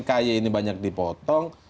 kaye ini banyak dipotong